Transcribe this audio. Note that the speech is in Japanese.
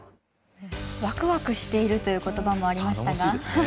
ワクワクしているということばもありましたが。